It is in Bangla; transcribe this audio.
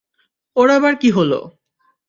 ওর আবার কী হলো?